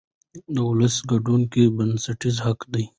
د ولس ګډون بنسټیز حق دی